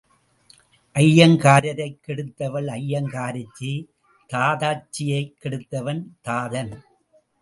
ஐயங்காரைக் கெடுத்தவள் ஐயங்காரிச்சி, தாதச்சியைக் கெடுத்தவன் தாதன்.